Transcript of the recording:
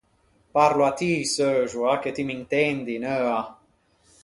Parlo à ti, seuxoa, che ti m’intendi, neua.